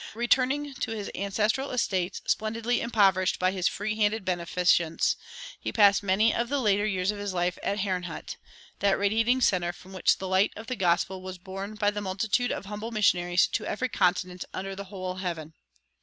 Returning to his ancestral estates splendidly impoverished by his free handed beneficence, he passed many of the later years of his life at Herrnhut, that radiating center from which the light of the gospel was borne by the multitude of humble missionaries to every continent under the whole heaven.